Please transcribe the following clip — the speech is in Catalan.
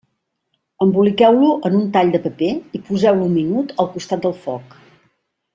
Emboliqueu-lo en un tall de paper i poseu-lo un minut al costat del foc.